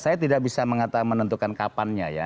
saya tidak bisa menentukan kapannya ya